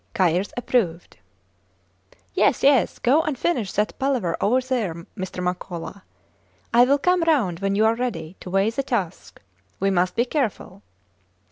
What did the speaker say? Kayerts approved. Yes, yes! Go and finish that palaver over there, Mr. Makola. I will come round when you are ready, to weigh the tusk. We must be careful.